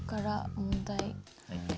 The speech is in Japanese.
問題。